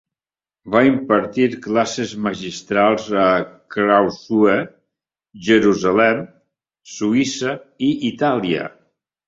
Va impartir classes magistrals a Karlsruhe, Jerusalem, Suïssa i Itàlia.